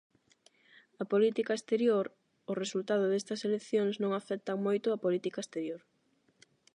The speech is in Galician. A política exterior O resultado destas eleccións non afectan moito á política exterior.